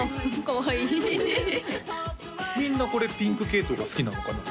かわいいみんなこれピンク系統が好きなのかな？